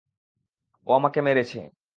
ও আমাকে মেরেছে!